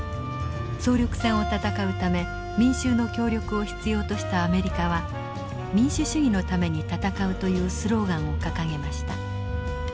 総力戦を戦うため民衆の協力を必要としたアメリカは「民主主義のために戦う」というスローガンを掲げました。